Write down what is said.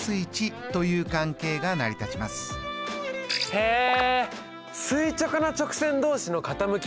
へえ。